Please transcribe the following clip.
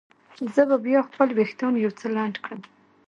زه به بیا خپل وریښتان یو څه لنډ کړم.